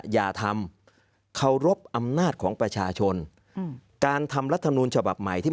อย่าทำเคารพอำนาจของประชาชนการทำรัฐมนูลฉบับใหม่ที่